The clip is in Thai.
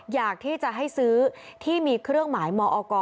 อยากที่จะให้ซื้อที่มีเครื่องหมายมอก